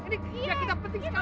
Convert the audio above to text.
kita bahkan penting sekali